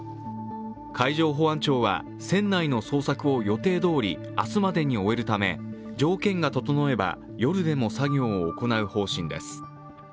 海上保安庁は、船内の捜索を予定どおり明日までに終えるため条件が整えば、夜でも作業を行う方針です。